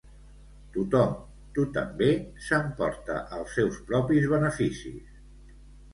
Tothom, tu també, s'emporta els seus propis beneficis.